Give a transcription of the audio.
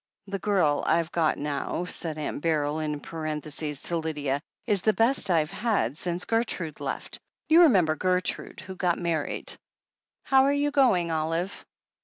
(The girl I've got now," said Aunt Beryl in parenthesis to Lydia, "is the best I've had since Gertrude left. You remem ber Gertrude, who got married?) How are you going, Olive?"